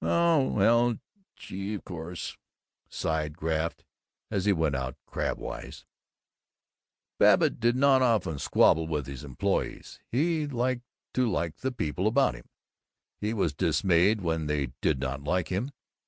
"Oh well gee of course " sighed Graff, as he went out, crabwise. Babbitt did not often squabble with his employees. He liked to like the people about him; he was dismayed when they did not like him.